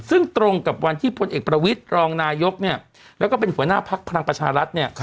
ซึ่งตรงกับวันที่พลเอกประวิทย์รองนายกแล้วก็เป็นหัวหน้าพักพลังประชารัฐเนี่ย